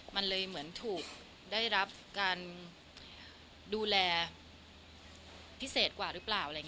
มันเลยเหมือนถูกได้รับการดูแลพิเศษกว่าหรือเปล่า